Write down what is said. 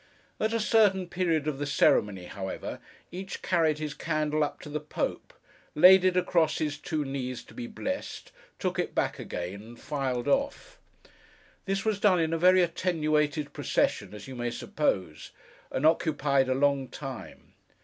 At a certain period of the ceremony, however, each carried his candle up to the Pope, laid it across his two knees to be blessed, took it back again, and filed off. This was done in a very attenuated procession, as you may suppose, and occupied a long time.